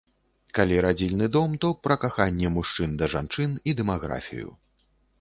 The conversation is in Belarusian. Калі радзільны дом, то пра каханне мужчын да жанчын і дэмаграфію.